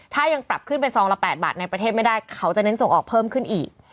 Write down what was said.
ถ้ายังปรับขึ้นเป็นซองละ๘บาทในประเทศไม่ได้เขาจะเน้นส่งออกเพิ่มขึ้นอีก